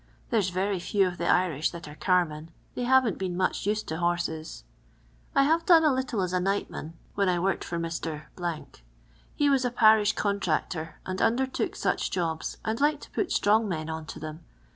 There 's very few of the Irish that are carmen ; they havea^ ben mach used to hones. I bave done a litde at a nightman whtn I worked for Mr. . He was a parish cmi trnctor, and undertook nch jobs, and liked to put strong men on to them.